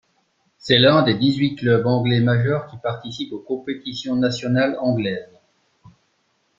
C'est l'un des dix-huit clubs anglais majeurs qui participent aux compétitions nationales anglaises.